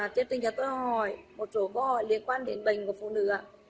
chương trình cho tôi hỏi một số câu hỏi liên quan đến bệnh của phụ nữ